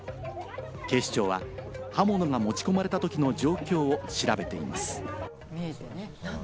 警視庁は刃物が持ち込まれたときの状況を調べています。